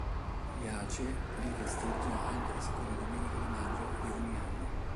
Riace li festeggia anche la seconda domenica di maggio di ogni anno.